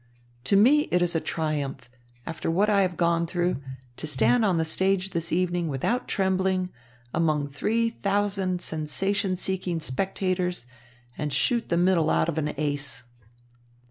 To me it is a triumph, after what I have gone through, to stand on the stage this evening without trembling, among three thousand sensation seeking spectators, and shoot the middle out of an ace."